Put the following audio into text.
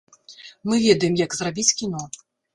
Мы ведаем, як зрабіць кіно.